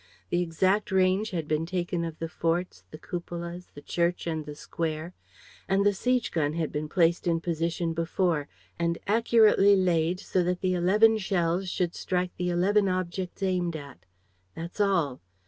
The exact range had been taken of the forts, the cupolas, the church and the square; and the siege gun had been placed in position before and accurately laid so that the eleven shells should strike the eleven objects aimed at. That's all.